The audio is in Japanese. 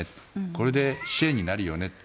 これで支援になるよねって。